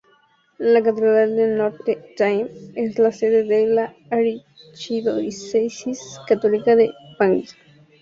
La catedral de Notre-Dame es la sede de la archidiócesis católica de Bangui.